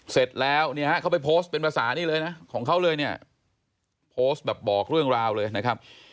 เสร็จแล้วเนี่ยฮะเขาไปโพสต์เป็นภาษานี่เลยนะของเขาเลยเนี่ยโพสต์แบบบอกเรื่องราวเลยนะครับ